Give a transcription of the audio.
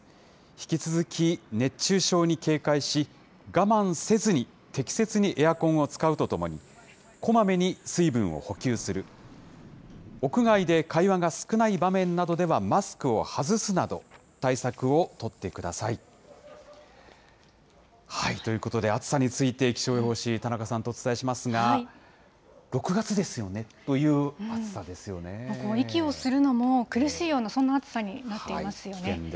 引き続き熱中症に警戒し、我慢せずに適切にエアコンを使うとともに、こまめに水分を補給する、屋外で会話が少ない場面などではマスクを外すなど、対策を取ってください。ということで、暑さについて、気象予報士、田中さんとお伝えしますが、６月ですよねという暑さで息をするのも苦しいような、そんな暑さになっていますよね。